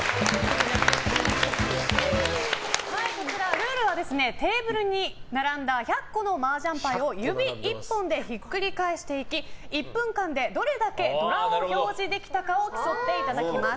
ルールはテーブルに並んだ１００個のマージャン牌を指１本でひっくり返していき１分間でどれだけドラを表示できたかを競っていただきます。